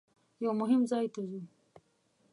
یوه مهم ځای ته ځو.